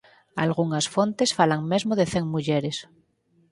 Algunhas fontes falan mesmo de cen mulleres.